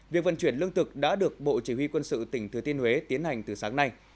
việc vận chuyển lương thực đã được bộ chỉ huy quân sự tỉnh thừa tiên huế tiến hành từ sáng nay